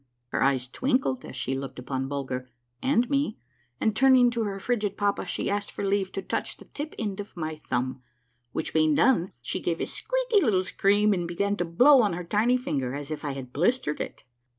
Her eyes twinkled as she looked upon Bulger and me, and turning to her frigid papa, she asked for leave to touch 158 A MARVELLOUS UNDERGROUND JOURNEY the tip end of my tliumb, which being done, she gave a squeaky little scream and began to blow on her tiny finger as if I had blistered it.